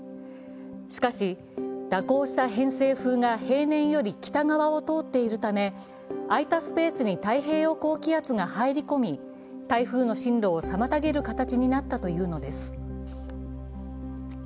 しかし、蛇行した偏西風が平年より北側を通っているため空いたスペースに太平洋高気圧が入り込み、台風の進路を妨げる形になったというのです。